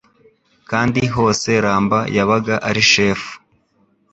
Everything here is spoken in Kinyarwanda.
kandi hose Ramba yabaga ari shefu